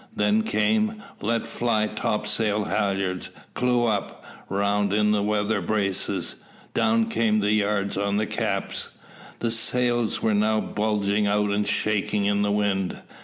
Then came, "Let fly topsail halyards. Clew up. Round in the weather braces." Down came the yards on the caps. The sails were now bulging out and shaking in the wind.